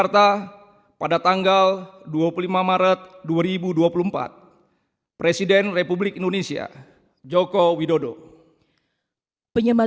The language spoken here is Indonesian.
raya kebangsaan indonesia raya